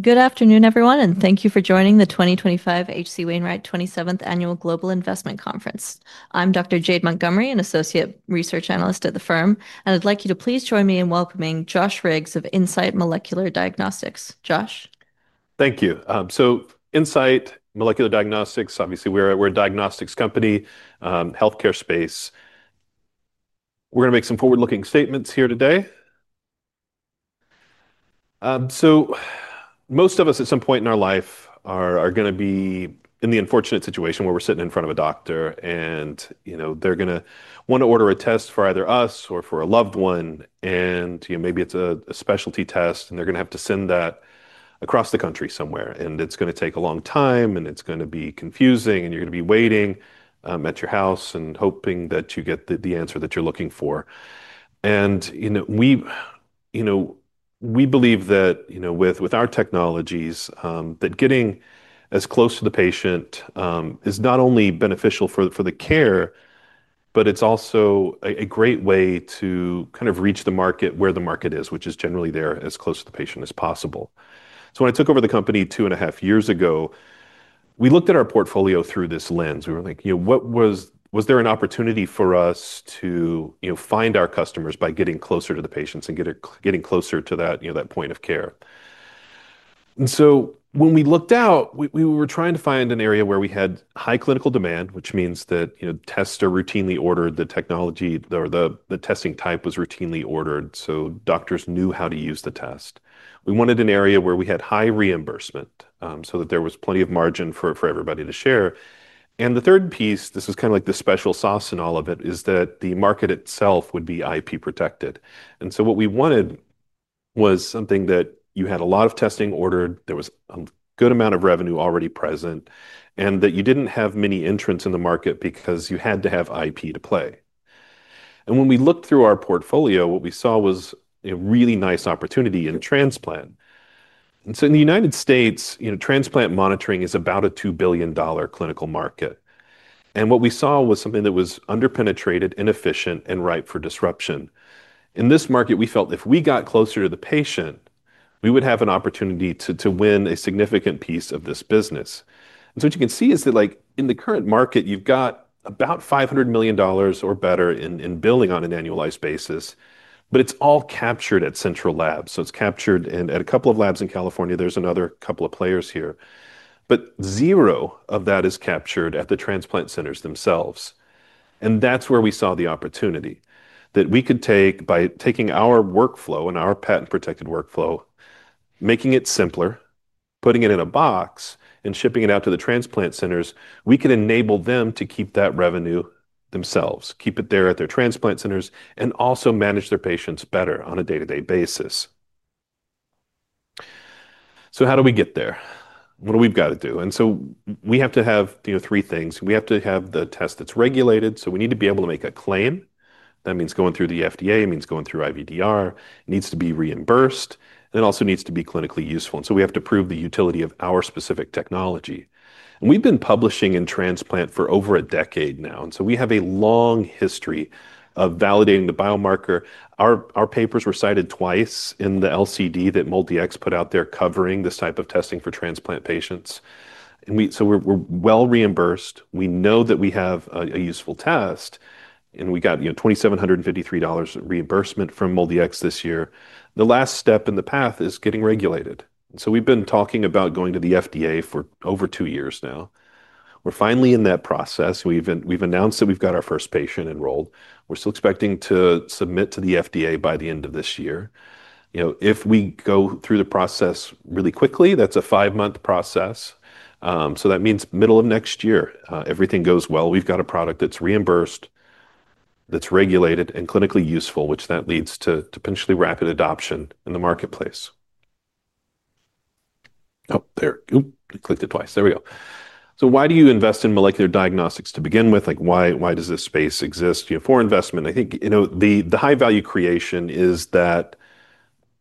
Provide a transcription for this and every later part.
Good afternoon, everyone, and thank you for joining the 2025 H.C. Wainwright 27th Annual Global Investment Conference. I'm Dr. Jade Montgomery, an Associate Research Analyst at the firm, and I'd like you to please join me in welcoming Josh Riggs of Insight Molecular Diagnostics. Josh? Thank you. Insight Molecular Diagnostics, obviously we're a diagnostics company, healthcare space. We're going to make some forward-looking statements here today. Most of us at some point in our life are going to be in the unfortunate situation where we're sitting in front of a doctor and, you know, they're going to want to order a test for either us or for a loved one, and maybe it's a specialty test, and they're going to have to send that across the country somewhere, and it's going to take a long time, and it's going to be confusing, and you're going to be waiting at your house and hoping that you get the answer that you're looking for. We believe that, with our technologies, getting as close to the patient is not only beneficial for the care, but it's also a great way to kind of reach the market where the market is, which is generally there as close to the patient as possible. When I took over the company two and a half years ago, we looked at our portfolio through this lens. We were like, what was, was there an opportunity for us to find our customers by getting closer to the patients and getting closer to that point of care. When we looked out, we were trying to find an area where we had high clinical demand, which means that tests are routinely ordered, the technology, or the testing type was routinely ordered, so doctors knew how to use the test. We wanted an area where we had high reimbursement, so that there was plenty of margin for everybody to share. The third piece, this is kind of like the special sauce in all of it, is that the market itself would be IP protected. What we wanted was something that you had a lot of testing ordered, there was a good amount of revenue already present, and that you didn't have many entrants in the market because you had to have IP to play. When we looked through our portfolio, what we saw was a really nice opportunity in transplant. In the United States, transplant monitoring is about a $2 billion clinical market. What we saw was something that was underpenetrated, inefficient, and right for disruption. In this market, we felt if we got closer to the patient, we would have an opportunity to win a significant piece of this business. What you can see is that, like, in the current market, you've got about $500 million or better in billing on an annualized basis, but it's all captured at central labs. It's captured at a couple of labs in California. There's another couple of players here, but zero of that is captured at the transplant centers themselves. That's where we saw the opportunity that we could take by taking our workflow and our patent-protected workflow, making it simpler, putting it in a box, and shipping it out to the transplant centers. We could enable them to keep that revenue themselves, keep it there at their transplant centers, and also manage their patients better on a day-to-day basis. How do we get there? What do we have to do? We have to have, you know, three things. We have to have the test that's regulated. We need to be able to make a claim. That means going through the FDA. It means going through IVDR. It needs to be reimbursed. It also needs to be clinically useful. We have to prove the utility of our specific technology. We've been publishing in transplant for over a decade now. We have a long history of validating the biomarker. Our papers were cited twice in the LCD that Multi-X put out there covering this type of testing for transplant patients. We're well reimbursed. We know that we have a useful test. We got, you know, $2,753 reimbursement from Multi-X this year. The last step in the path is getting regulated. We've been talking about going to the FDA for over two years now. We're finally in that process. We've announced that we've got our first patient enrolled. We're still expecting to submit to the FDA by the end of this year. If we go through the process really quickly, that's a five-month process. That means middle of next year, everything goes well. We've got a product that's reimbursed, that's regulated, and clinically useful, which leads to potentially rapid adoption in the marketplace. Oh, there, oop, clicked it twice. There we go. Why do you invest in Molecular Diagnostics to begin with? Like, why does this space exist? For investment, I think, you know, the high-value creation is that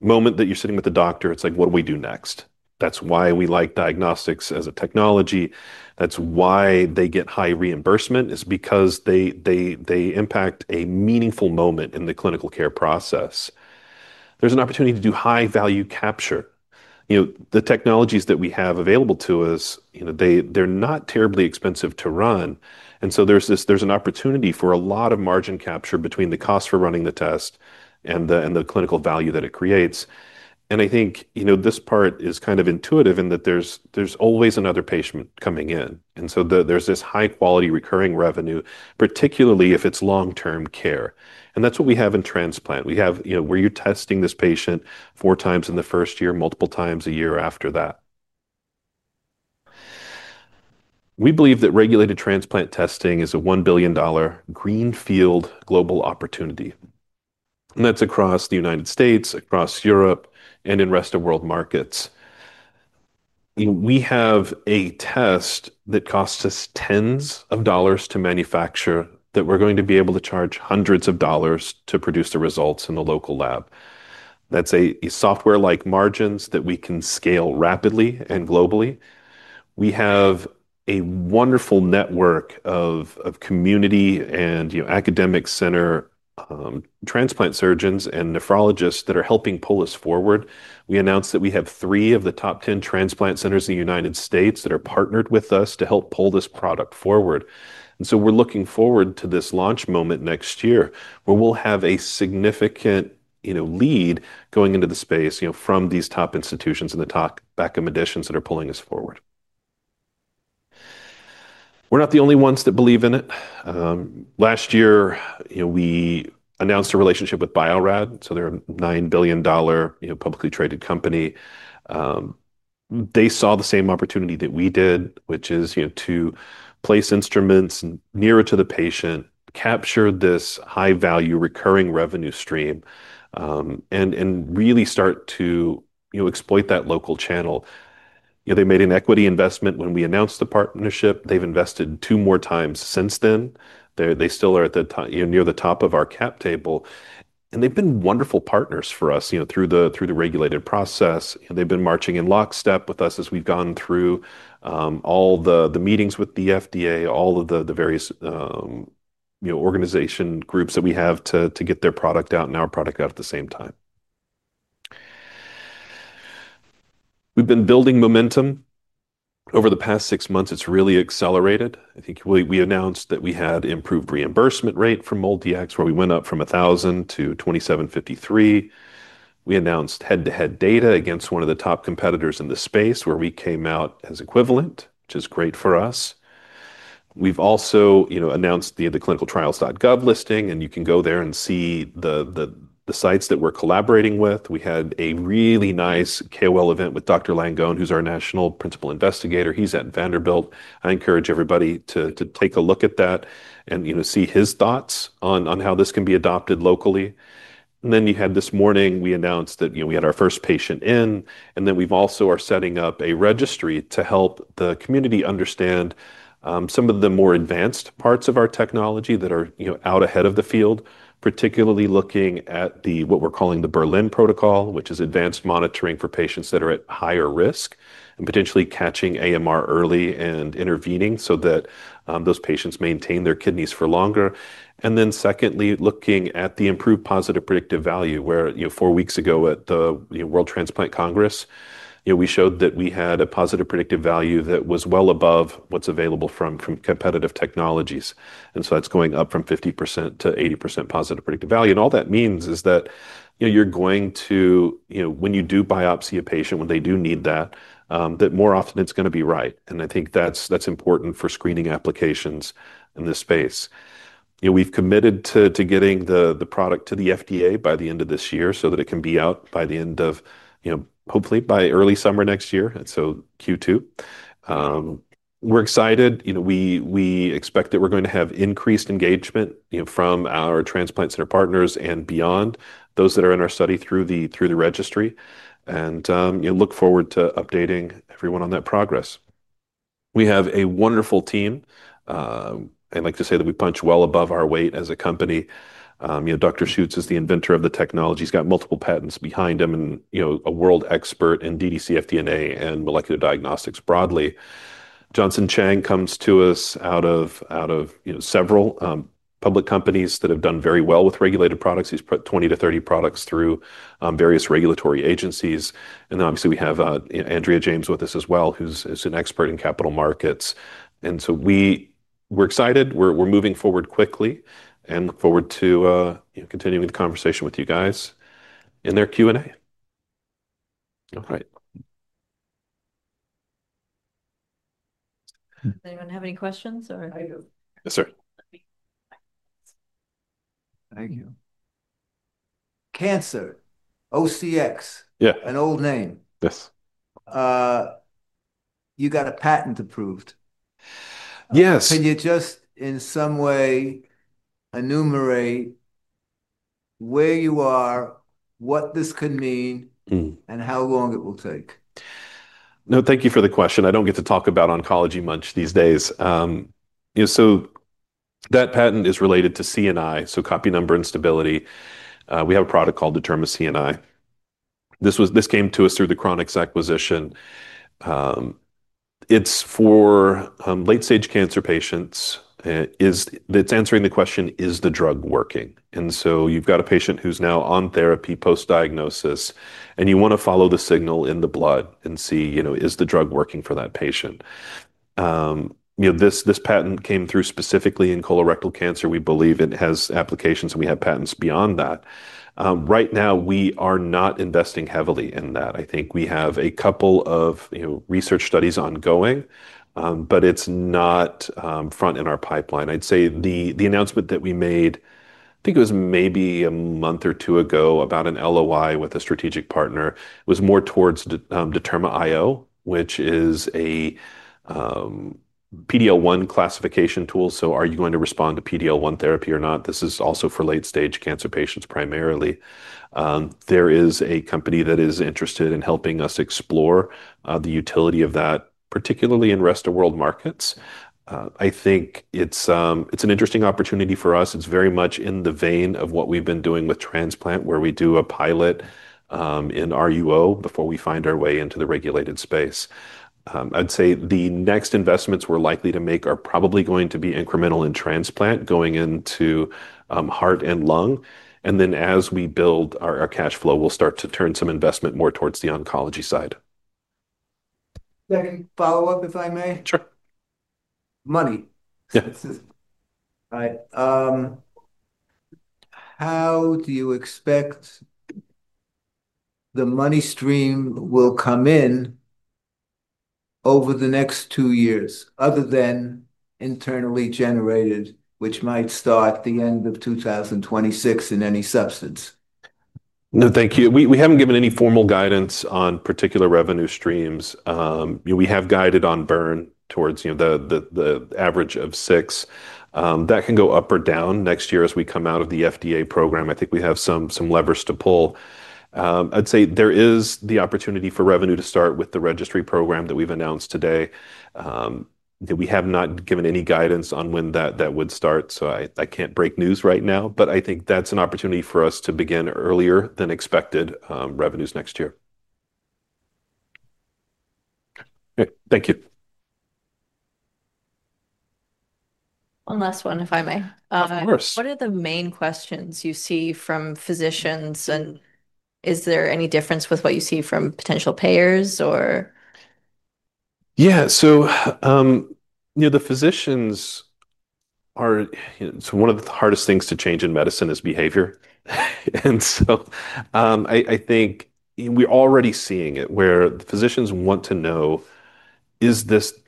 moment that you're sitting with the doctor, it's like, what do we do next? That's why we like diagnostics as a technology. That's why they get high reimbursement is because they impact a meaningful moment in the clinical care process. There's an opportunity to do high-value capture. The technologies that we have available to us, they're not terribly expensive to run. There's an opportunity for a lot of margin capture between the cost for running the test and the clinical value that it creates. I think this part is kind of intuitive in that there's always another patient coming in. There's this high-quality recurring revenue, particularly if it's long-term care. That's what we have in transplant. We have where you're testing this patient four times in the first year, multiple times a year after that. We believe that regulated transplant testing is a $1 billion greenfield global opportunity. That's across the United States, across Europe, and in the rest of the world markets. We have a test that costs us $10 of dollars to manufacture that we're going to be able to charge $100 of dollars to produce the results in the local lab. That's software-like margins that we can scale rapidly and globally. We have a wonderful network of community and academic center transplant surgeons and nephrologists that are helping pull us forward. We announced that we have three of the top 10 transplant centers in the United States that are partnered with us to help pull this product forward. We're looking forward to this launch moment next year, where we'll have a significant lead going into the space from these top institutions in the top backup additions that are pulling us forward. We're not the only ones that believe in it. Last year, we announced a relationship with Bio-Rad Laboratories. They're a $9 billion publicly traded company. They saw the same opportunity that we did, which is to place instruments nearer to the patient, capture this high-value recurring revenue stream, and really start to exploit that local channel. They made an equity investment when we announced the partnership. They've invested two more times since then. They still are near the top of our cap table. They've been wonderful partners for us through the regulated process. They've been marching in lockstep with us as we've gone through all the meetings with the FDA, all of the various organization groups that we have to get their product out and our product out at the same time. We've been building momentum. Over the past six months, it's really accelerated. I think we announced that we had improved reimbursement rate for Multi-X, where we went up from $1,000-$2,753. We announced head-to-head data against one of the top competitors in the space, where we came out as equivalent, which is great for us. We've also announced the clinicaltrials.gov listing, and you can go there and see the sites that we're collaborating with. We had a really nice KOL event with Dr. Langone, who's our National Principal Investigator. He's at Vanderbilt. I encourage everybody to take a look at that and see his thoughts on how this can be adopted locally. This morning, we announced that we had our first patient in, and we also are setting up a registry to help the community understand some of the more advanced parts of our technology that are out ahead of the field, particularly looking at what we're calling the Berlin protocol, which is advanced monitoring for patients that are at higher risk and potentially catching AMR early and intervening so that those patients maintain their kidneys for longer. Secondly, looking at the improved positive predictive value, four weeks ago at the World Transplant Congress, we showed that we had a positive predictive value that was well above what's available from competitive technologies. That's going up from 50%-80% positive predictive value. All that means is that when you do biopsy a patient, when they do need that, that more often it's going to be right. I think that's important for screening applications in this space. We've committed to getting the product to the FDA by the end of this year so that it can be out by the end of, hopefully by early summer next year, so Q2. We're excited. We expect that we're going to have increased engagement from our transplant center partners and beyond, those that are in our study through the registry. We look forward to updating everyone on that progress. We have a wonderful team. I like to say that we punch well above our weight as a company. You know, Dr. Ekkehard Schutz is the inventor of the technology. He's got multiple patents behind him and, you know, a world expert in dd-cfDNA and molecular diagnostics broadly. Johnson Chang comes to us out of, you know, several public companies that have done very well with regulated products. He's put 20-30 products through various regulatory agencies. Obviously, we have Andrea Susan James with us as well, who's an expert in capital markets. We're excited. We're moving forward quickly and look forward to, you know, continuing the conversation with you guys in the Q&A. All right. Does anyone have any questions? Thank you. Cancer, OCX, yeah, An old name. Yes You got a patent approved? Yes, Can you just in some way enumerate where you are, what this could mean, and how long it will take? No, thank you for the question. I don't get to talk about oncology much these days. That patent is related to CNI, so copy number instability. We have a product called DetermaCNI. This came to us through the Chronix acquisition. It's for late-stage cancer patients. It's answering the question, is the drug working? You've got a patient who's now on therapy post-diagnosis, and you want to follow the signal in the blood and see, is the drug working for that patient? This patent came through specifically in colorectal cancer. We believe it has applications, and we have patents beyond that. Right now, we are not investing heavily in that. I think we have a couple of research studies ongoing, but it's not front in our pipeline. I'd say the announcement that we made, I think it was maybe a month or two ago about an LOI with a strategic partner, was more towards DetermaIO, which is a PD-L1 classification tool. Are you going to respond to PD-L1 therapy or not? This is also for late-stage cancer patients primarily. There is a company that is interested in helping us explore the utility of that, particularly in the rest of the world markets. I think it's an interesting opportunity for us. It's very much in the vein of what we've been doing with transplant, where we do a pilot in RUO before we find our way into the regulated space. The next investments we're likely to make are probably going to be incremental in transplant, going into heart and lung. As we build our cash flow, we'll start to turn some investment more towards the oncology side. Let me follow up, if I may. Sure. Money. Yeah. All right. How do you expect the money stream will come in over the next two years, other than internally generated, which might start the end of 2026 in any substance? No, thank you. We haven't given any formal guidance on particular revenue streams. We have guided on, you know, the average of six. That can go up or down next year as we come out of the FDA program. I think we have some levers to pull. I'd say there is the opportunity for revenue to start with the registry program that we've announced today. We have not given any guidance on when that would start, so I can't break news right now, but I think that's an opportunity for us to begin earlier than expected revenues next year. All right. Thank you. One last one, if I may. Of course. What are the main questions you see from physicians, and is there any difference with what you see from potential payers? Yeah, the physicians are, you know, one of the hardest things to change in medicine is behavior. I think we're already seeing it where the physicians want to know, is this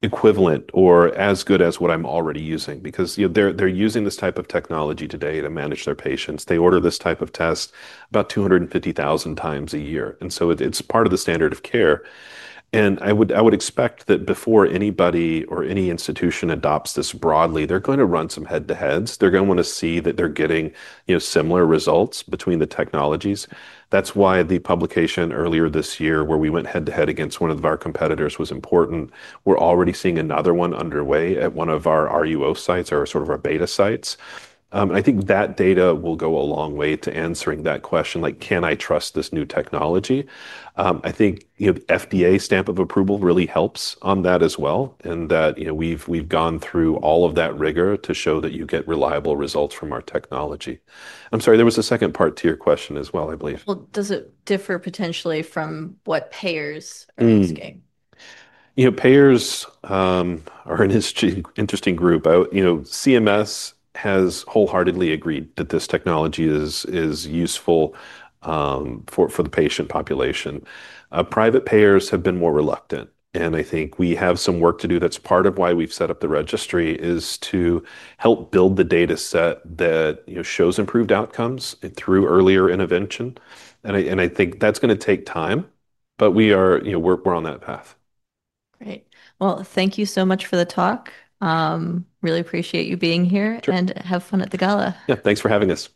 equivalent or as good as what I'm already using? They're using this type of technology today to manage their patients. They order this type of test about 250,000 times a year. It's part of the standard of care. I would expect that before anybody or any institution adopts this broadly, they're going to run some head-to-heads. They're going to want to see that they're getting similar results between the technologies. That's why the publication earlier this year where we went head-to-head against one of our competitors was important. We're already seeing another one underway at one of our RUO sites or sort of our beta sites. I think that data will go a long way to answering that question, like, can I trust this new technology? I think the FDA stamp of approval really helps on that as well. We've gone through all of that rigor to show that you get reliable results from our technology. I'm sorry, there was a second part to your question as well, I believe. Does it differ potentially from what payers are asking? You know, payers are an interesting group. CMS has wholeheartedly agreed that this technology is useful for the patient population. Private payers have been more reluctant. I think we have some work to do. That's part of why we've set up the registry is to help build the data set that shows improved outcomes through earlier intervention. I think that's going to take time, but we are, you know, we're on that path. Great. Thank you so much for the talk. Really appreciate you being here and have fun at the gala. Yeah, thanks for having us.